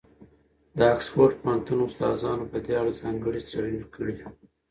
د اکسفورډ پوهنتون استادانو په دې اړه ځانګړې څېړنې کړي.